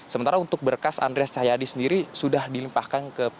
sementara untuk berkas andreas cahayadi sendiri sudah dilimpahkan ke polisi